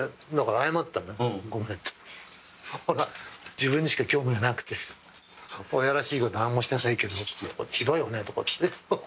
自分にしか興味がなくて親らしいこと何もしてないけどひどいよねとか。